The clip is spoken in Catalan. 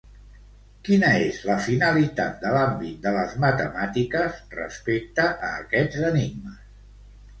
Quina és la finalitat de l'àmbit de les matemàtiques respecte a aquests enigmes?